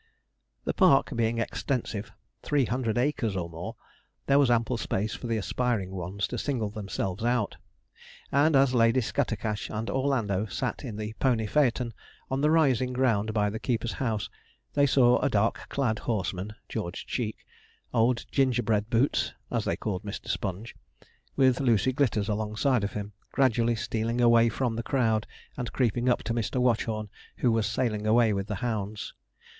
The park being extensive three hundred acres or more there was ample space for the aspiring ones to single themselves out; and as Lady Scattercash and Orlando sat in the pony phaeton, on the rising ground by the keeper's house, they saw a dark clad horseman (George Cheek), Old Gingerbread Boots, as they called Mr. Sponge, with Lucy Glitters alongside of him, gradually stealing away from the crowd, and creeping up to Mr. Watchorn, who was sailing away with the hounds.